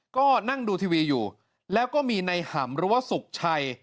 ก็นั่งดูทีวีอยู่แล้วก็มีในหำหรือว่าสุขชัย